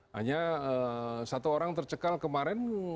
hanya satu orang tercekal kemarin